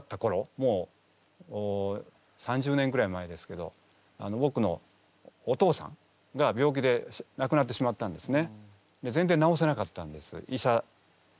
もう３０年ぐらい前ですけどぼくのお父さんが病気でなくなってしまったんですね。